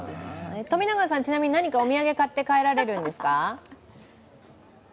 ちなみに何かお土産を買って帰られるんですか？